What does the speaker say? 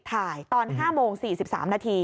ถ่ายตอน๕โมง๔๓นาที